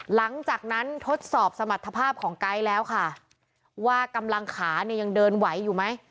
หลังจากนั้นทดสอบสมรรถภาพของไกด์แล้วค่ะว่ากำลังขาเนี่ยยังเดินไหวอยู่ไหม